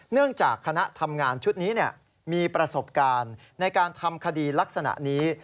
เนื่องจากคณะทำงานชุดนี้มีประสบการณ์ในการทำคดีลักษณะนี้